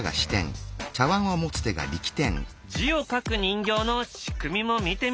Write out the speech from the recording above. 字を書く人形の仕組みも見てみる。